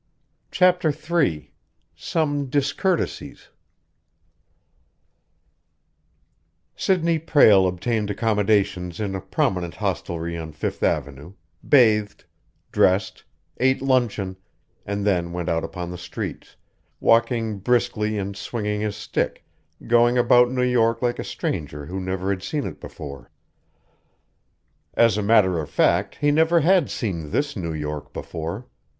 CHAPTER III SOME DISCOURTESIES Sidney Prale obtained accommodations in a prominent hostelry on Fifth Avenue, bathed, dressed, ate luncheon, and then went out upon the streets, walking briskly and swinging his stick, going about New York like a stranger who never had seen it before. As a matter of fact, he never had seen this New York before.